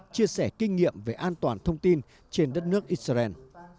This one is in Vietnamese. chia sẻ kinh nghiệm về an toàn thông tin trên đất nước israel